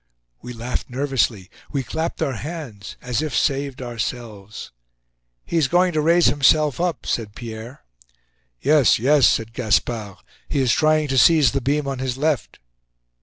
We laughed nervously; we clapped our hands, as if saved ourselves. "He is going to raise himself up," said Pierre. "Yes, yes," said Gaspard, "he is trying to seize the beam on his left."